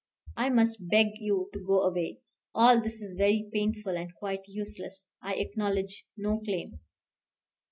I must beg you to go away. All this is very painful and quite useless. I acknowledge no claim."